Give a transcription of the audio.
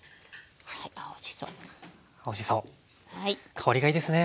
香りがいいですね